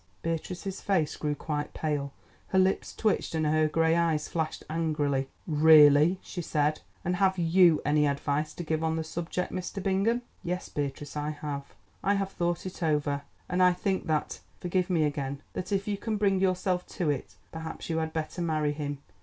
Beatrice's face grew quite pale, her lips twitched and her grey eyes flashed angrily. "Really," she said, "and have you any advice to give on the subject, Mr. Bingham?" "Yes, Beatrice, I have. I have thought it over, and I think that—forgive me again—that if you can bring yourself to it, perhaps you had better marry him.